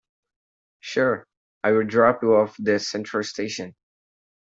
Sure, I'll drop you off at the central station.